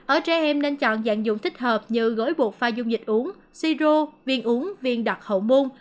ở trẻ em nên chọn dạng dụng thích hợp như gối bột pha dung dịch uống si rô viên uống viên đặc hậu môn